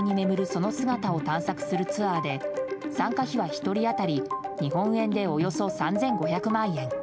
その姿を探索するツアーで参加費は１人当たり日本円でおよそ３５００万円。